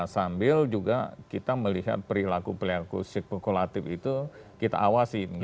sambil juga kita melihat perilaku perilaku spekulatif itu kita awasin